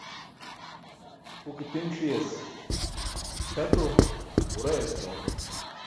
Huke ti̇n ṣi̇yas sac̣o, ġurayas ḍoom.